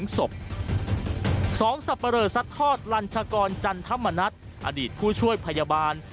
๒๐๐๒ศพสองสับเผลอสัดทอดรัญชากรจันทร์ธรรมนัทอดีตผู้ช่วยพยาบาล